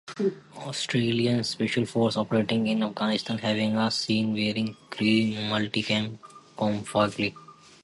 Australian special forces operating in Afghanistan have been seen wearing Crye's Multicam camouflage.